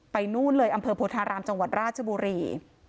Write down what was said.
นู่นเลยอำเภอโพธารามจังหวัดราชบุรี